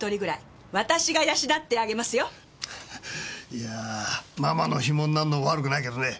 いやーママのヒモになるのも悪くないけどね。